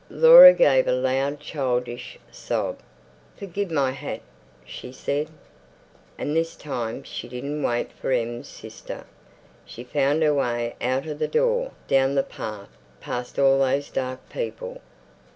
Laura gave a loud childish sob. "Forgive my hat," she said. And this time she didn't wait for Em's sister. She found her way out of the door, down the path, past all those dark people.